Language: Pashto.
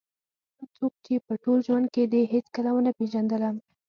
هغه څوک چې په ټول ژوند کې دې هېڅکله ونه پېژندلم.